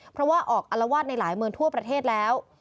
เพราะว่าออกอลวาดในหลายเมืองทั่วประเทศแล้ว